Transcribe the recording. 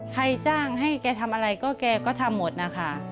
ใครจ้างให้แกทำอะไรก็แกก็ทำหมดนะคะ